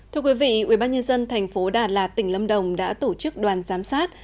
thưa quý vị ubnd tp đà lạt tỉnh lâm đồng đã tổ chức đoàn giám sát